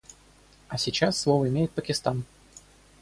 А сейчас слово имеет Пакистан.